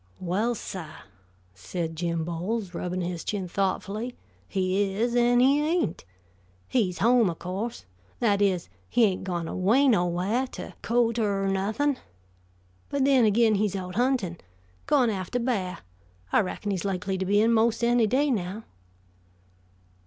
"Well, suh," said Jim Bowles, rubbing his chin thoughtfully, "he is, an' he ain't. He's home, o' course; that is, he hain't gone away no whah, to co'te er nothin'. But then ag'in he's out huntin', gone after b'ah. I reckon he's likely to be in 'most any day now."